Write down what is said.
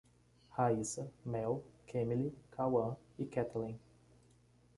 Raíça, Mel, Kemily, Kawan e Ketelen